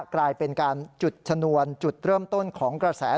กลายเป็นการจุดชนวนจุดเริ่มต้นของกระแส